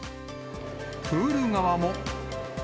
プール側も。